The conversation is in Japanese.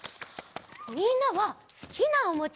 みんなはすきなおもちゃある？